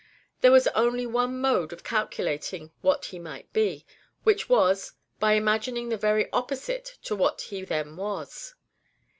There was only one mode of calculating what he might be, which was, by imagining the very opposite to what he then was.